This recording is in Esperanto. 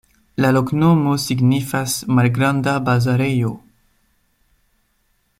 La loknomo signifas: malgranda-bazarejo.